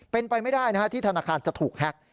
เป็นไปไม่ได้ที่ธนาคารจะถูกแฮ็ก